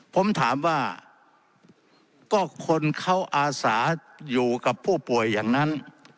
ผมถามว่าก็คนเขาอาสาอยู่กับผู้ป่วยอย่างนั้น